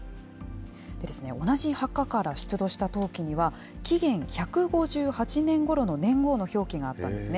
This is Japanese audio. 同じ墓から出土した陶器には、紀元１５８年ごろの年号の表記があったんですね。